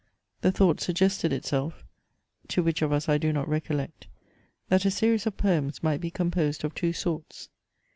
The thought suggested itself (to which of us I do not recollect) that a series of poems might be composed of two sorts.